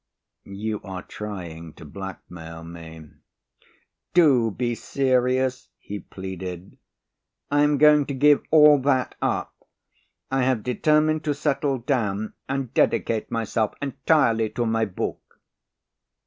"You are trying to blackmail me." "Do be serious," he pleaded. "I am going to give all that up. I have determined to settle down and dedicate myself entirely to my book."